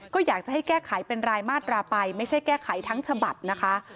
ก็อยากจะให้แก้ไขเป็นรายมาตราไปไม่ใช่แก้ไขทั้งฉบับนะคะ